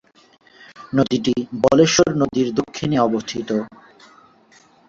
নদীটি বলেশ্বর নদীর দক্ষিণে অবস্থিত।